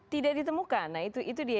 tidak ditemukan nah itu dia